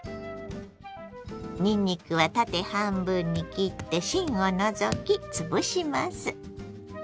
にんにくは縦半分に切って芯を除き潰します。